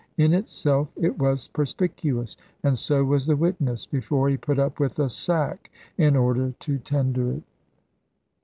In itself, it was perspicuous; and so was the witness, before he put up with a sack, in order to tender it.